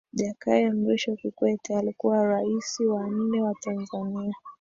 jakaya mrisho kikwete alikuwa rais wa nne wa tanzania